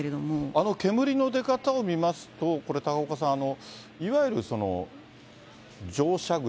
あの煙の出方を見ますと、高岡さん、いわゆる乗車口。